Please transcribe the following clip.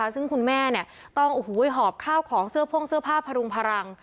ซึ่งคุณแม่ต้องหอบข้าวของเสื้อพ่งเสื้อผ้าพรุงพลัง